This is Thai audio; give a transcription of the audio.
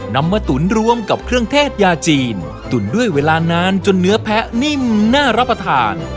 นำมาตุ๋นรวมกับเครื่องเทศยาจีนตุ๋นด้วยเวลานานจนเนื้อแพะนิ่มน่ารับประทาน